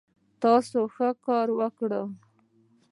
تاسو ښه کار وکړ